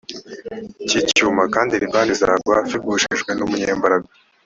cy icyuma kandi libani izagwa f igushijwe n umunyambaraga